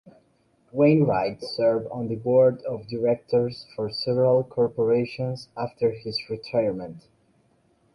Wainwright served on the board of directors for several corporations after his retirement.